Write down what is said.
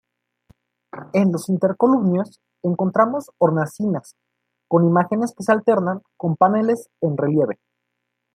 En los intercolumnios encontramos hornacinas con imágenes que se alternan con paneles en relieve.